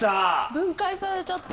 分解させちゃった。